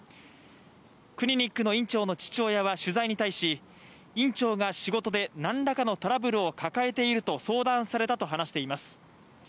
クリニックの院長の父親は取材に対し院長が仕事で何らかのトラブルを抱えていると相談されたと話しています。